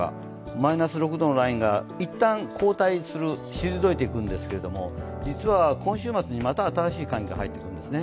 マイナス６度のラインが一旦交代する、退いていくんですが、実は今週末にまた新しい寒気が入ってくるんですね。